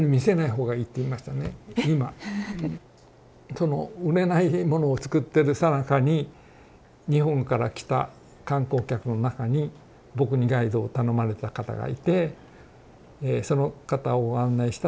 その売れないものをつくってるさなかに日本から来た観光客の中に僕にガイドを頼まれた方がいてその方を案内したら非常に気に入られて。